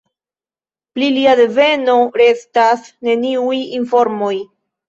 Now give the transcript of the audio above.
Pri lia deveno restas neniuj informoj.